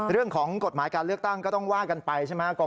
เรื่องของกฎหมายการเลือกตั้งก็ต้องว่ากันไปใช่ไหม